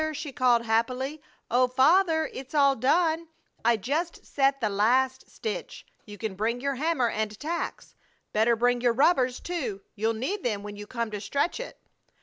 she called, happily. "Oh, Father! It's all done! I just set the last stitch. You can bring your hammer and tacks. Better bring your rubbers, too. You'll need them when you come to stretch it."